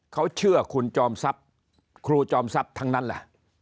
เขาเชื่อคุณจอมทรัพย์ครูจอมทรัพย์ทั้งนั้นแหละ